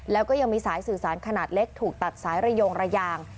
แล้วก็ยังมีสายสื่อสารขนาดเล็กถูกตัดสายระยงระยาง